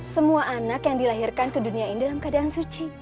semua anak yang dilahirkan ke dunia ini dalam keadaan suci